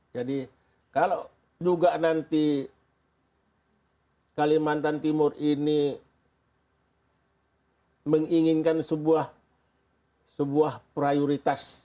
jadi kalau juga nanti kalimantan timur ini menginginkan sebuah prioritas